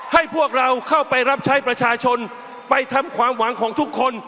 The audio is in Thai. ให้พวกเราเข้าไปรับใช้ประชาชนไปทำความหวังของทุกคน